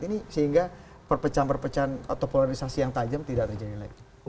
ini sehingga perpecahan perpecahan atau polarisasi yang tajam tidak terjadi lagi